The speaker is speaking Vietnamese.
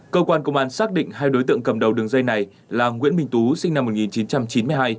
cơ quan công an xác định hai đối tượng cầm đầu đường dây này là nguyễn minh tú sinh năm một nghìn chín trăm chín mươi hai